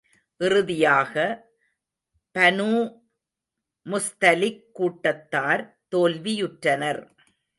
இறுதியாக, Banu Mustaliq கூட்டத்தார் தோல்வியுற்றனர்.